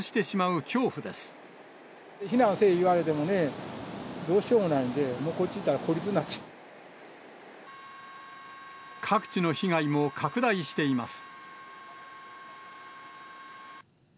避難せい言われてもね、どうしようもないんで、各地の被害も拡大しています。